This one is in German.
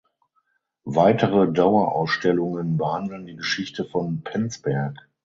Weitere Dauerausstellungen behandeln die Geschichte von Penzberg.